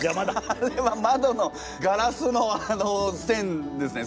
あれはまどのガラスの線ですね。